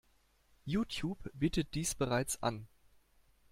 Youtube bietet dies bereits an.